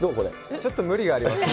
ちょっと無理がありますね。